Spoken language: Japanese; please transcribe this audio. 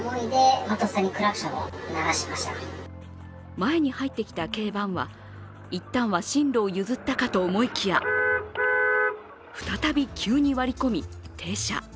前に入ってきた軽バンはいったんは進路を譲ったかと思いきや再び急に割り込み、停車。